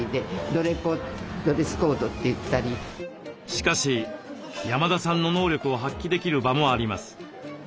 しかし山田さんの能力を発揮できる場もあります。